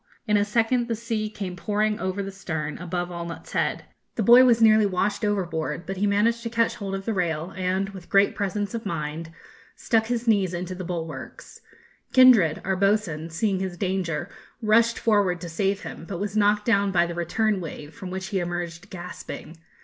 In a second the sea came pouring over the stern, above Allnutt's head. The boy was nearly washed overboard, but he managed to catch hold of the rail, and, with great presence of mind, stuck his knees into the bulwarks. Kindred, our boatswain, seeing his danger, rushed forward to save him, but was knocked down by the return wave, from which he emerged gasping.